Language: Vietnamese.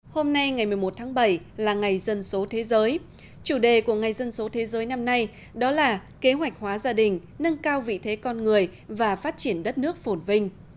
hôm nay ngày một mươi một tháng bảy là ngày dân số thế giới chủ đề của ngày dân số thế giới năm nay đó là kế hoạch hóa gia đình nâng cao vị thế con người và phát triển đất nước phổn vinh